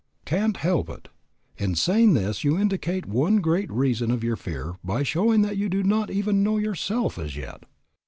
Can't help it! In saying this you indicate one great reason of your fear by showing that you do not even know yourself as yet.